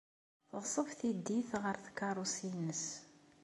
Teɣṣeb tiddit ɣer tkeṛṛust-nnes.